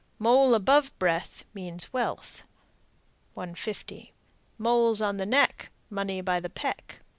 Mole above breath Means wealth. 150. Moles on the neck, Money by the peck.